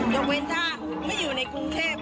ยกเว้นถ้าไม่อยู่ในกรุงเทพ